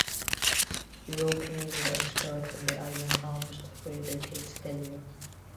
Europeans were expelled from the island almost three decades earlier.